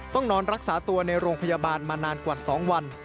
ต้องนอนรักษาตัวในโรงพยาบาลมานานกว่า๒วัน